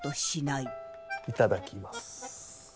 いただきます。